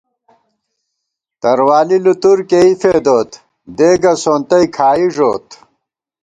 تروالی لُتُرکېئی فېدوت، دېگہ سونتَئ کھائی ݫوت